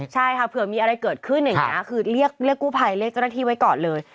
ใช่ค่ะเผื่อมีอะไรเกิดขึ้นอย่างนี้คือเรียกกู้ภัยเรียกเจ้าหน้าที่ไว้ก่อนเลย